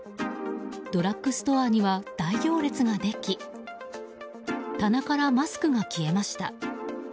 ドラッグストアには大行列ができ棚からマスクが消えました。